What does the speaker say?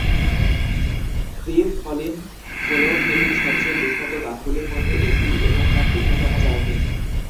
Free fallin' হল পেটির সবচেয়ে বিখ্যাত গানগুলির মধ্যে একটি, এবং তার দীর্ঘতম চার্টিং।